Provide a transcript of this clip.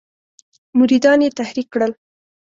مریدان یې تحریک کړل.